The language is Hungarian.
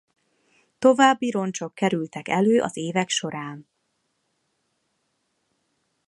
További roncsok kerültek elő az évek során.